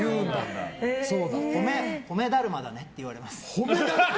褒めだるまだねって言われます。